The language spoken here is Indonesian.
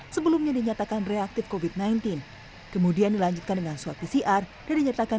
sebelumnya dinyatakan reaktif covid sembilan belas kemudian dilanjutkan dengan swab pcr dan dinyatakan